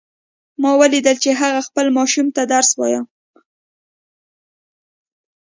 ما ولیدل چې هغې خپل ماشوم ته درس وایه